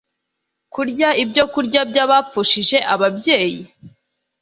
kurya ibyokurya by abapfushije ababyeyi